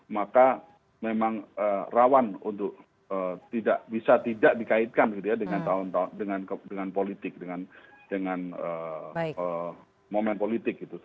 maka memang rawan untuk tidak bisa tidak dikaitkan gitu ya dengan tahun tahun dengan politik dengan momen politik gitu